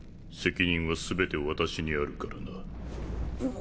責任は全て私にあるからな。